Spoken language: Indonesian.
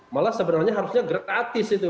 malah sebenarnya harusnya gratis itu